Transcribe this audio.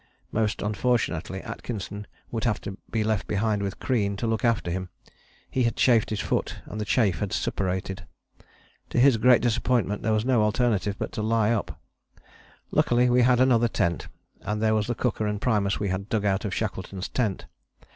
Most unfortunately Atkinson would have to be left behind with Crean to look after him. He had chafed his foot, and the chafe had suppurated. To his great disappointment there was no alternative but to lie up. Luckily we had another tent, and there was the cooker and primus we had dug out of Shackleton's tent.